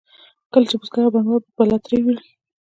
کله چې بزګر او بڼوال به بلابترې وړې.